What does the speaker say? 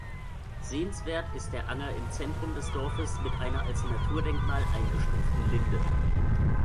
Sehenswert ist der Anger im Zentrum des Dorfes mit einer als Naturdenkmal eingestuften Linde.